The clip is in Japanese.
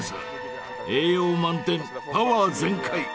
栄養満点パワー全開！